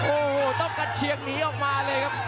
โอ้โหต้องกระเชียงหนีออกมาเลยครับ